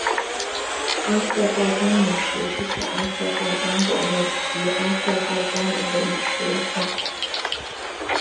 阿塞拜疆饮食是指阿塞拜疆国内及阿塞拜疆人的饮食文化。